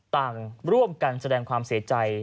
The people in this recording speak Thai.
ต่างร่วมกันแสดงความเสียใจ